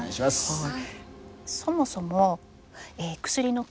はい。